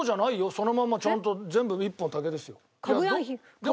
そのまんまちゃんと全部一本の竹ですよ。